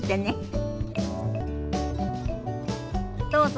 どうぞ。